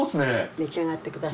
召し上がってください。